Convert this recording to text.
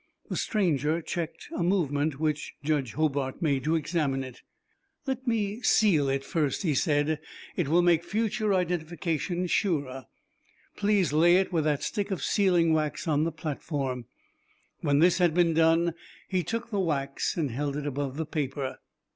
The stranger checked a movement which Judge Hobart made to examine it. "Let me seal it first," he said. "It will make future identification surer. Please lay it with that stick of sealing wax on the platform." When this had been done, he took the wax and held it above the paper.